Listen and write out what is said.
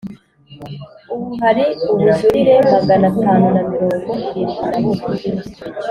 Ubu hari ubujurire magana atanu na mirongo irindwi na bumwe